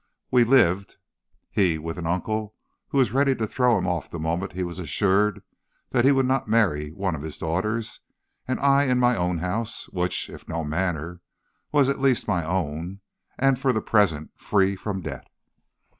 We lived, he with an uncle who was ready to throw him off the moment he was assured that he would not marry one of his daughters, and I in my own house, which, if no manor, was at least my own, and for the present free from debt.